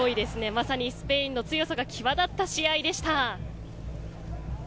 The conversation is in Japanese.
まさにスペインの強さが際立った試合でした。